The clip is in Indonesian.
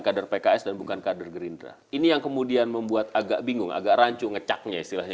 kader pks dan bukan kader gerindra ini yang kemudian membuat agak bingung agak rancu ngecaknya istilahnya